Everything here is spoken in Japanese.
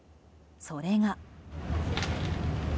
それが。